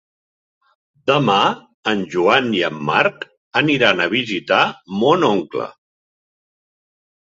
Demà en Joan i en Marc aniran a visitar mon oncle.